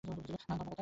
না, ধর্মাবতার।